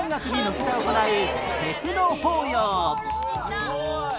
すごい！